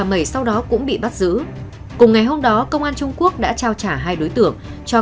tần bà mẩy sau đó cũng bị bắt giữ cùng ngày hôm đó công an trung quốc đã trao trả hai đối tưởng cho